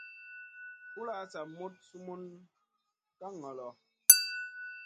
Kulʼla sa moɗ sumun ka ŋolo.